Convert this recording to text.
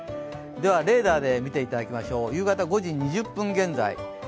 ではレーダーで見ていただきましょう、夕方５時２０分現在。